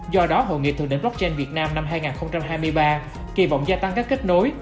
do đó hội nghị thượng đỉnh blockchain việt nam năm hai nghìn hai mươi ba kỳ vọng gia tăng các kết nối